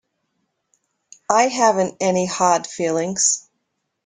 I haven't any hard feelings.